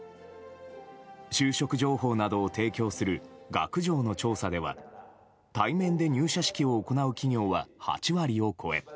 就職情報などを提供する学情の調査では対面で入社式を行う企業は８割を超え